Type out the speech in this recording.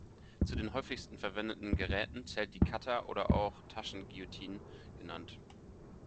Zu den häufigsten verwendeten Geräten zählt die Cutter oder auch Taschen-Guillotine genannt.